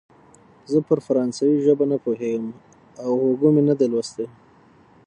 زه پر فرانسوي ژبه نه پوهېږم او هوګو مې نه دی لوستی.